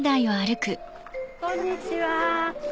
こんにちは。